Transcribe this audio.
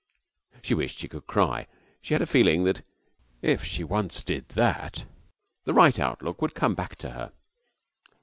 She wished she could cry. She had a feeling that if she once did that the right outlook would come back to her.